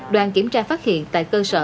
đoàn kiểm tra phát hiện tại cơ sở